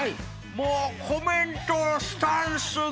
もうコメントスタンス